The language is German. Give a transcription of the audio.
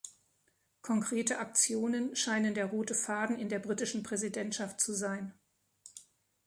Konkrete Aktionen scheinen der rote Faden in der britischen Präsidentschaft zu sein.